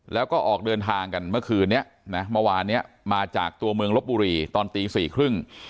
แล้วก็ออกเดินทางกันเมื่อคืนนี้มาจากตัวเมืองลบบุรีตอนตี๔ครึ่ง